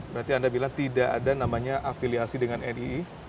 berarti anda bilang tidak ada namanya afiliasi dengan nii